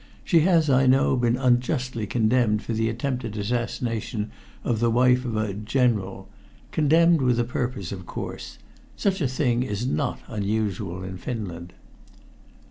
She has, I know, been unjustly condemned for the attempted assassination of the wife of a General condemned with a purpose, of course. Such a thing is not unusual in Finland."